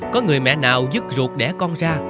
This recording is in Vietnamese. có người mẹ nào dứt ruột đẻ con ra